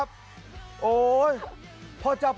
คุณผู้ชมครับโอ้ยพ่อ